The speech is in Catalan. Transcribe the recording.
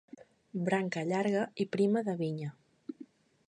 Branca llarga i prima de vinya.